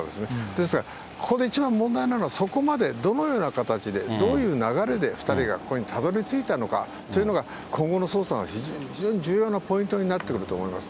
ですが、ここで一番問題なのが、そこまでどのような形で、どういう流れで、２人がここにたどりついたのかというのが、今後の捜査の非常に重要なポイントになってくると思います。